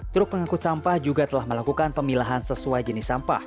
truk pengangkut sampah juga telah melakukan pemilahan sesuai